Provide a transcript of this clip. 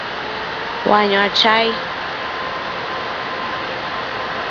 Wanywa chai